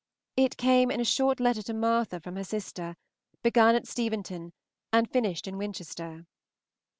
It came in a short letter to Martha from her sister, begun at Steventon and finished in Winchester.